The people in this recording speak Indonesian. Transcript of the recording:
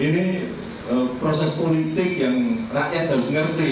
ini proses politik yang rakyat harus mengerti